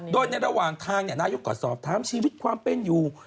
โดยในระหว่างทางนายกก็สอบถามชีวิตความเป็นอยู่